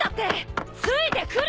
ついてくるな！